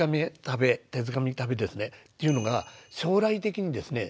食べですねっていうのが将来的にですね